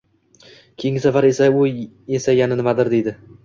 Keyingi safar esa yana nimadir dedi.